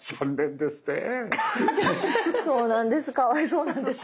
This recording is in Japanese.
そうなんです。